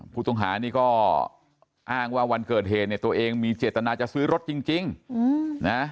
ผู้ต้องหานี่ก็อ้างว่าวันเกิดเหตุเนี่ยตัวเองมีเจตนาจะซื้อรถจริงนะ